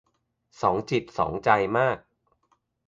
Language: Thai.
สองจิตใจสองใจมาก